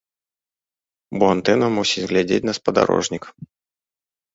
Бо антэна мусіць глядзець на спадарожнік.